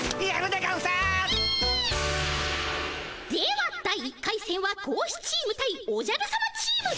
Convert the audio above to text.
では第１回せんは貴公子チーム対おじゃるさまチーム。